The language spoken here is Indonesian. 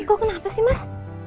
kok kenapa sih mas